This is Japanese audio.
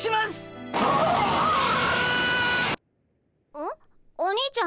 うん？